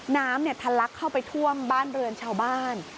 น้ำเนี่ยทะลักเข้าไปท่วมบ้านเรือนเชาะบ้าน